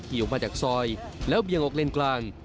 ออกมาจากซอยแล้วเบี่ยงออกเลนกลาง